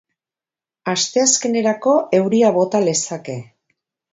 Asteazkenerako euria bota lezake.